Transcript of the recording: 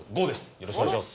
よろしくお願いします。